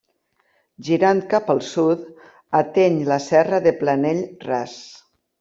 Girant cap al sud, ateny la Serra de Planell Ras.